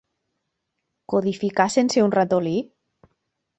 Codificar sense un ratolí?